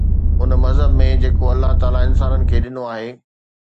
ان مذهب ۾ جيڪو الله تعاليٰ انسانن کي ڏنو آهي